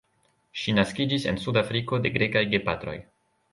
Ŝi naskiĝis en Sudafriko de grekaj gepatroj.